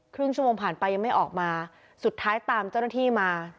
ครึ่งชั่วโมงผ่านไปยังไม่ออกมาสุดท้ายตามเจ้าหน้าที่มา